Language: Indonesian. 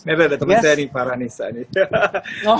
iya teman teman saya nih paranisa nih